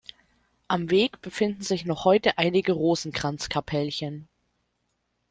Am Weg befinden sich noch heute einige Rosenkranz-Kapellchen.